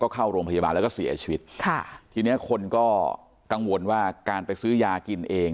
เข้าโรงพยาบาลแล้วก็เสียชีวิตค่ะทีเนี้ยคนก็กังวลว่าการไปซื้อยากินเอง